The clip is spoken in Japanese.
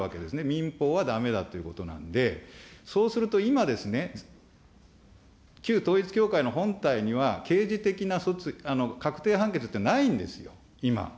民法はだめだということなんで、そうすると今、旧統一教会の本体には刑事的な確定判決ってないんですよ、今。